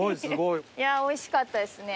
いやおいしかったですね。